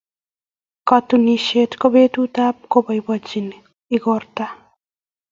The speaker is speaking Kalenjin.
Katunisyet ko betutab keboibochi igorta.